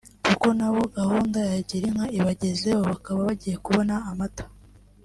kuko nabo gahunda ya Girinka ibagezeho bakaba bagiye kubona amata